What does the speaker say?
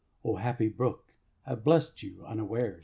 O happy brook! "That blessed us unaware."